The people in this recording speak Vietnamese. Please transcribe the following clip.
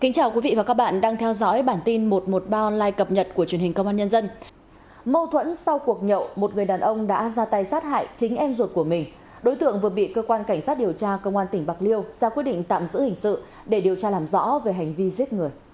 các bạn hãy đăng ký kênh để ủng hộ kênh của chúng mình nhé